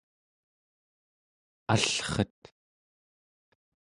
allret